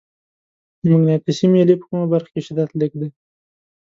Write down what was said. د مقناطیسي میلې په کومه برخه کې شدت لږ دی؟